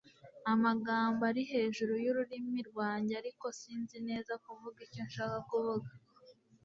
Amagambo ari hejuru yururimi rwanjye ariko sinzi neza kuvuga icyo nshaka kuvuga